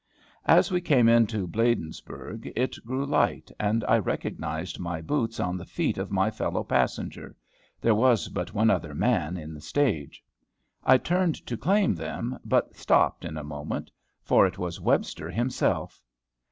As we came into Bladensburg it grew light, and I recognized my boots on the feet of my fellow passenger, there was but one other man in the stage. I turned to claim them, but stopped in a moment, for it was Webster himself.